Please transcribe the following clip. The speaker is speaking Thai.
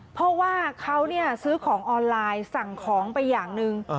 เพราะว่าเขาซื้อของออนไลน์สั่งของไปอย่างหนึ่ง